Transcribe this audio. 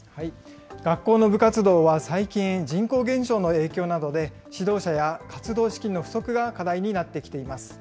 学校の部活動は最近、人口減少の影響などで、指導者や活動資金の不足が課題になってきています。